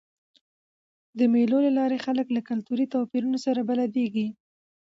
د مېلو له لاري خلک له کلتوري توپیرونو سره بلدیږي.